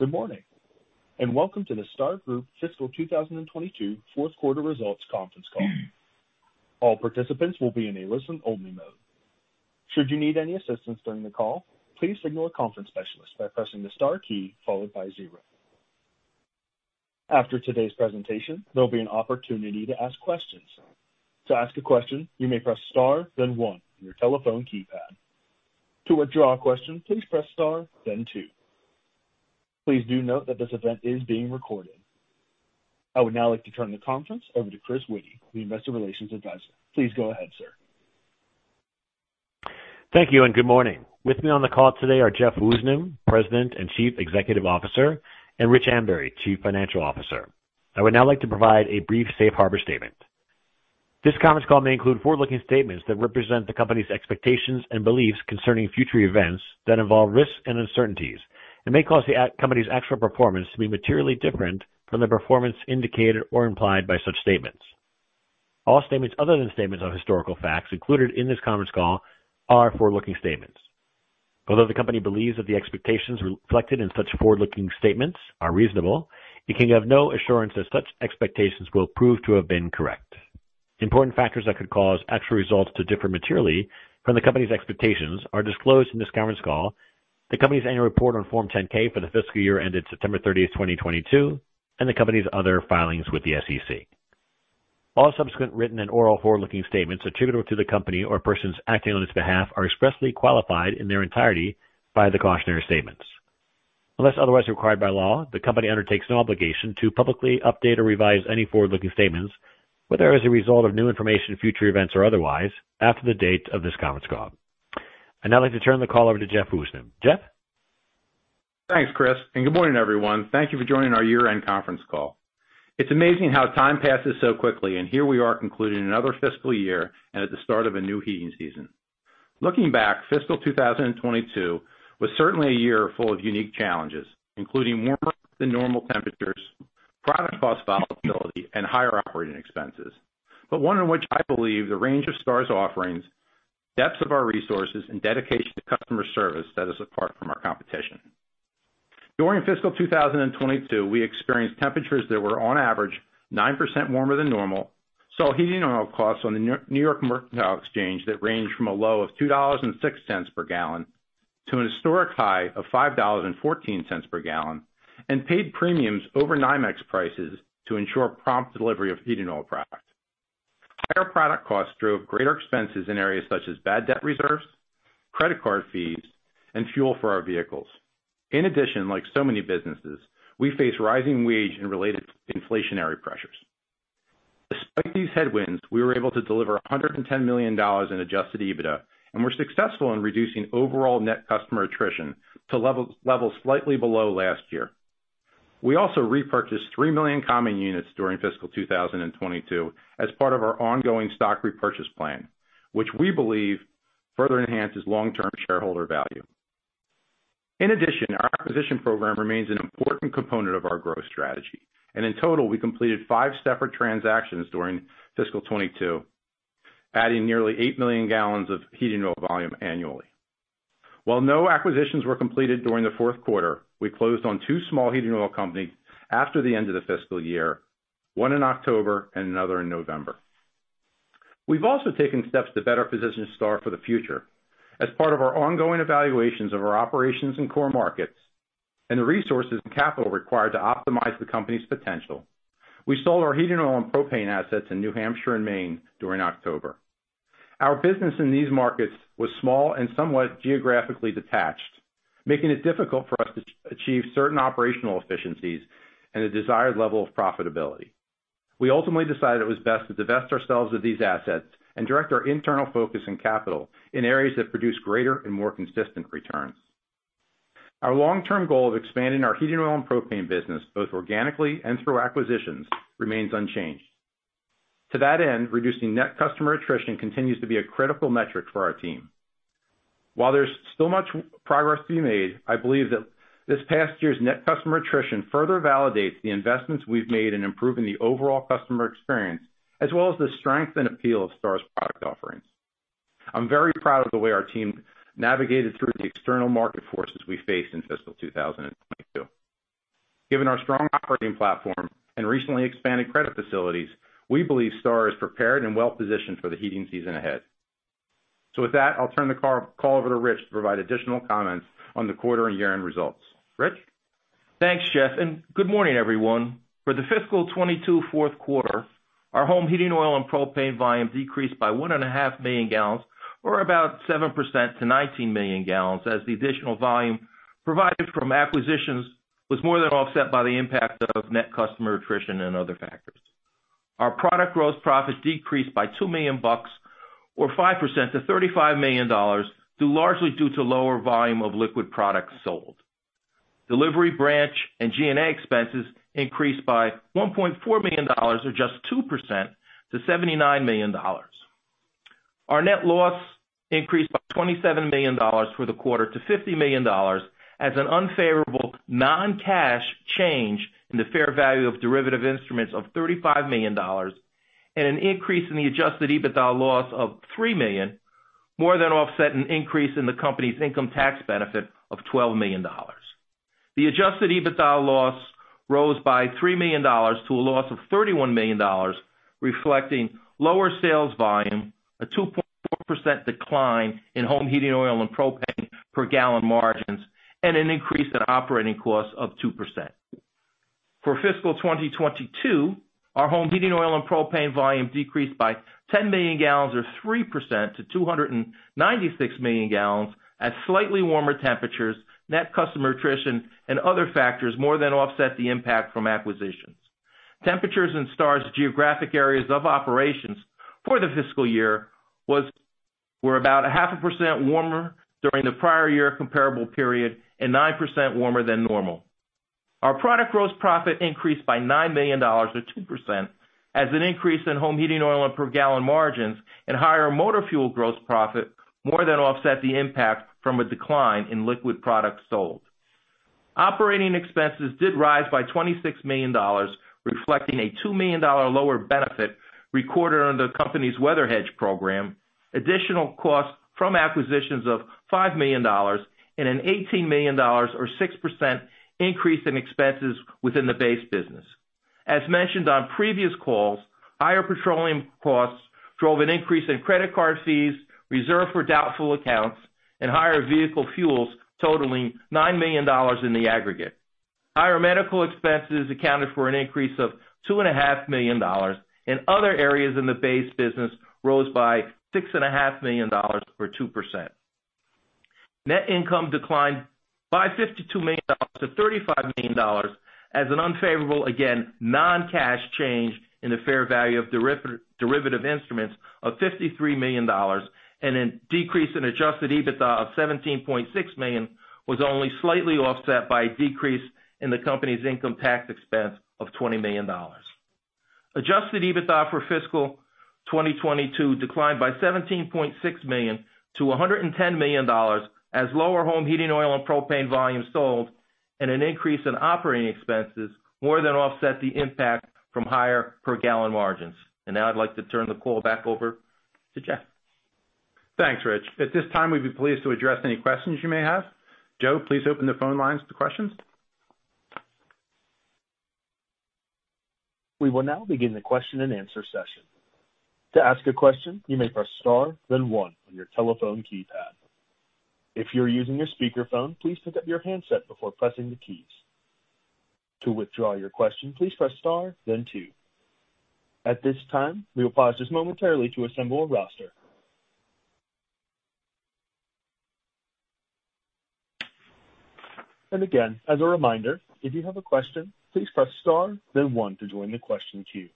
Good morning, and welcome to the Star Group Fiscal 2022 Fourth Quarter Results Conference Call. All participants will be in a listen-only mode. Should you need any assistance during the call, please signal a conference specialist by pressing the star key followed by zero. After today's presentation, there'll be an opportunity to ask questions. To ask a question, you may press star then one on your telephone keypad. To withdraw a question, please press star then two. Please do note that this event is being recorded. I would now like to turn the conference over to Chris Witty, the Investor Relations Advisor. Please go ahead, sir. Thank you. Good morning. With me on the call today are Jeff Woosnam, President and Chief Executive Officer, and Rich Ambury, Chief Financial Officer. I would now like to provide a brief safe harbor statement. This conference call may include forward-looking statements that represent the company's expectations and beliefs concerning future events that involve risks and uncertainties and may cause the company's actual performance to be materially different from the performance indicated or implied by such statements. All statements other than statements of historical facts included in this conference call are forward-looking statements. Although the company believes that the expectations reflected in such forward-looking statements are reasonable, it can give no assurance that such expectations will prove to have been correct. Important factors that could cause actual results to differ materially from the company's expectations are disclosed in this conference call, the company's annual report on Form 10-K for the fiscal year ended September 30th, 2022, and the company's other filings with the SEC. All subsequent written and oral forward-looking statements attributable to the company or persons acting on its behalf are expressly qualified in their entirety by the cautionary statements. Unless otherwise required by law, the company undertakes no obligation to publicly update or revise any forward-looking statements, whether as a result of new information, future events, or otherwise, after the date of this conference call. I'd now like to turn the call over to Jeff Woosnam. Jeff? Thanks, Chris, and good morning, everyone. Thank you for joining our year-end conference call. It's amazing how time passes so quickly, and here we are concluding another fiscal year and at the start of a new heating season. Looking back, fiscal 2022 was certainly a year full of unique challenges, including warmer than normal temperatures, product cost volatility, and higher operating expenses. One in which I believe the range of Star's offerings, depths of our resources, and dedication to customer service set us apart from our competition. During fiscal 2022, we experienced temperatures that were on average 9% warmer than normal, saw heating oil costs on the New York Mercantile Exchange that ranged from a low of $2.06 per gallon to an historic high of $5.14 per gallon, paid premiums over NYMEX prices to ensure prompt delivery of heating oil product. Higher product costs drove greater expenses in areas such as bad debt reserves, credit card fees, and fuel for our vehicles. In addition, like so many businesses, we face rising wage and related inflationary pressures. Despite these headwinds, we were able to deliver $110 million in adjusted EBITDA and were successful in reducing overall net customer attrition to levels slightly below last year. We also repurchased 3 million common units during fiscal 2022 as part of our ongoing stock repurchase plan, which we believe further enhances long-term shareholder value. Our acquisition program remains an important component of our growth strategy, and in total, we completed five separate transactions during fiscal 2022, adding nearly 8 million gallons of heating oil volume annually. No acquisitions were completed during the fourth quarter, we closed on two small heating oil companies after the end of the fiscal year, one in October and another in November. We've also taken steps to better position Star for the future. As part of our ongoing evaluations of our operations in core markets and the resources and capital required to optimize the company's potential, we sold our heating oil and propane assets in New Hampshire and Maine during October. Our business in these markets was small and somewhat geographically detached, making it difficult for us to achieve certain operational efficiencies and the desired level of profitability. We ultimately decided it was best to divest ourselves of these assets and direct our internal focus and capital in areas that produce greater and more consistent returns. Our long-term goal of expanding our heating oil and propane business, both organically and through acquisitions, remains unchanged. To that end, reducing net customer attrition continues to be a critical metric for our team. While there's still much progress to be made, I believe that this past year's net customer attrition further validates the investments we've made in improving the overall customer experience, as well as the strength and appeal of Star's product offerings. I'm very proud of the way our team navigated through the external market forces we faced in fiscal 2022. Given our strong operating platform and recently expanded credit facilities, we believe Star is prepared and well-positioned for the heating season ahead. With that, I'll turn the call over to Rich to provide additional comments on the quarter and year-end results. Rich? Thanks, Jeff. Good morning, everyone. For the fiscal 2022 fourth quarter, our home heating oil and propane volume decreased by 1.5 million gallons, or about 7% to 19 million gallons, as the additional volume provided from acquisitions was more than offset by the impact of net customer attrition and other factors. Our product gross profits decreased by $2 million or 5% to $35 million, due largely to lower volume of liquid products sold. Delivery branch and G&A expenses increased by $1.4 million or just 2% to $79 million. Our net loss increased by $27 million for the quarter to $50 million as an unfavorable non-cash change in the fair value of derivative instruments of $35 million and an increase in the adjusted EBITDA loss of $3 million. More than offset an increase in the company's income tax benefit of $12 million. The adjusted EBITDA loss rose by $3 million to a loss of $31 million, reflecting lower sales volume, a 2.4% decline in home heating oil and propane per-gallon margins, and an increase in operating costs of 2%. For fiscal 2022, our home heating oil and propane volume decreased by 10 million gal or 3% to 296 million gal as slightly warmer temperatures, net customer attrition, and other factors more than offset the impact from acquisitions. Temperatures in Star's geographic areas of operations for the fiscal year were about a half a percent warmer during the prior year comparable period and 9% warmer than normal. Our product gross profit increased by $9 million or 2% as an increase in home heating oil and per-gallon margins and higher motor fuel gross profit more than offset the impact from a decline in liquid products sold. Operating expenses did rise by $26 million, reflecting a $2 million lower benefit recorded under the company's weather hedge program, additional costs from acquisitions of $5 million, and an $18 million or 6% increase in expenses within the base business. As mentioned on previous calls, higher petroleum costs drove an increase in credit card fees, reserve for doubtful accounts, and higher vehicle fuels totaling $9 million in the aggregate. Higher medical expenses accounted for an increase of $2.5 million. Other areas in the base business rose by $6.5 million, or 2%. Net income declined by $52 million to $35 million as an unfavorable, again, non-cash change in the fair value of derivative instruments of $53 million and a decrease in adjusted EBITDA of $17.6 million was only slightly offset by a decrease in the company's income tax expense of $20 million. Adjusted EBITDA for fiscal 2022 declined by $17.6 million to $110 million as lower home heating oil and propane volumes sold, and an increase in operating expenses more than offset the impact from higher per-gallon margins. Now I'd like to turn the call back over to Jeff. Thanks, Rich. At this time, we'd be pleased to address any questions you may have. Joe, please open the phone lines to questions. We will now begin the question-and-answer session. To ask a question, you may press star then one on your telephone keypad. If you're using your speakerphone, please pick up your handset before pressing the keys. To withdraw your question, please press star then two. At this time, we will pause just momentarily to assemble a roster. Again, as a reminder, if you have a question, please press star then one to join the question queue.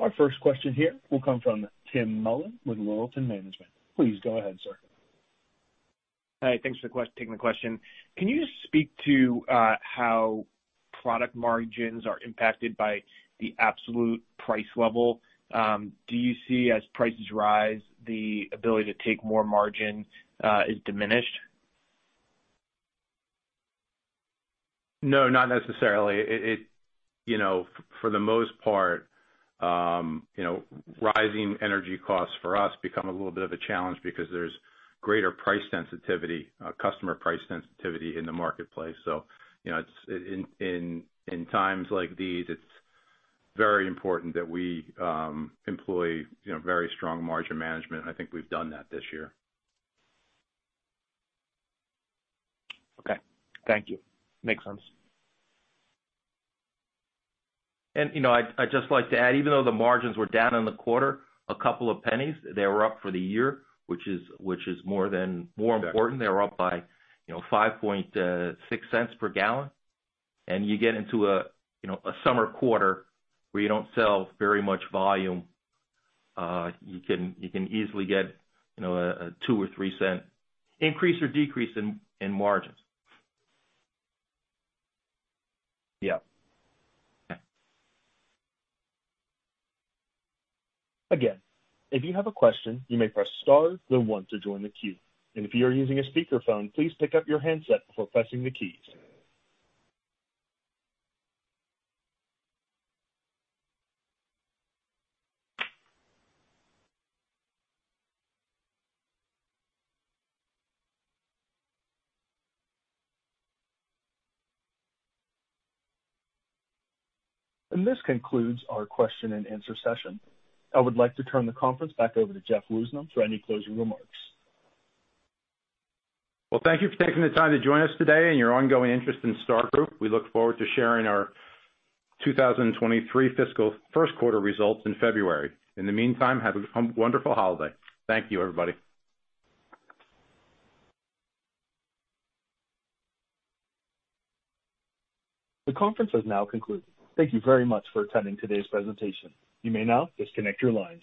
Our first question here will come from Tim Mullen with Laurelton Management. Please go ahead, sir. Hi. Thanks for taking the question. Can you just speak to how product margins are impacted by the absolute price level? Do you see, as prices rise, the ability to take more margin is diminished? No, not necessarily. You know, for the most part, you know, rising energy costs for us become a little bit of a challenge because there's greater price sensitivity, customer price sensitivity in the marketplace. You know, it's in times like these, it's very important that we employ, you know, very strong margin management, and I think we've done that this year. Okay. Thank you. Makes sense. You know, I'd just like to add, even though the margins were down in the quarter, a couple of pennies, they were up for the year, which is more than, more important. They were up by, you know, $0.056 per gallon. You get into a, you know, a summer quarter where you don't sell very much volume, you can easily get, you know, a $0.02 or $0.03 increase or decrease in margins. Yeah. Again, if you have a question, you may press star then one to join the queue. If you are using a speakerphone, please pick up your handset before pressing the keys. This concludes our question-and-answer session. I would like to turn the conference back over to Jeff Woosnam for any closing remarks. Well, thank you for taking the time to join us today and your ongoing interest in Star Group. We look forward to sharing our 2023 fiscal first quarter results in February. In the meantime, have a wonderful holiday. Thank you, everybody. The conference has now concluded. Thank you very much for attending today's presentation. You may now disconnect your lines.